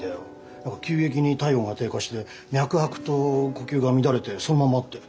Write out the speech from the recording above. なんか急激に体温が低下して脈拍と呼吸が乱れてそのままって。